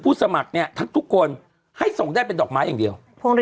พวงหลีดสอสอเนี่ยทั้งทุกคนให้ส่งได้เป็นดอกไม้อย่างเดียว